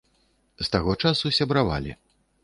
З таго часу сябравалі.